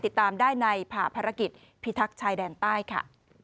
ติดตามได้ในผ่าภารกิจพิทักษ์ชายแดนใต้ค่ะ